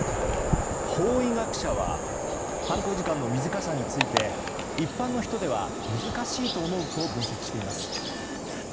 法医学者は犯行時間の短さについて一般の人では難しいと思うと分析しています。